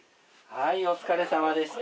はいお疲れさまでした。